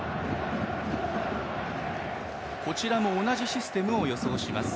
こちらも同じシステムを予想します。